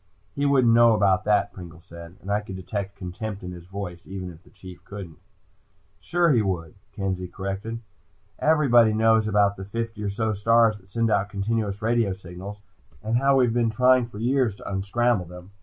"He wouldn't know about that," Pringle said, and I could detect contempt in his voice, even if the Chief didn't. "Sure he would," Kenzie corrected. "Everybody knows about the fifty or so stars that send out continuous radio signals, and how we've been trying for years to unscramble them."